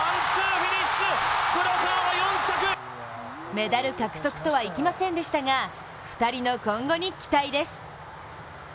メダル獲得とはいきませんでしたが２人の今後に期待です。